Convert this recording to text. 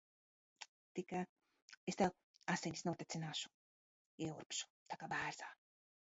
Tik es tev asinis notecināšu. Ieurbšu tā kā bērzā.